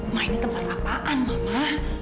mah ini tempat apaan mama